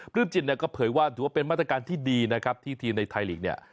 ื้มจิตเนี่ยก็เผยว่าถือว่าเป็นมาตรการที่ดีนะครับที่ทีมในไทยลีกเนี่ย